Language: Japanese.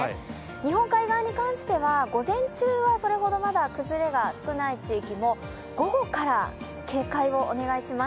日本海側に関しては午前中はそれほどまだ崩れは少ない地域も午後から警戒をお願いします。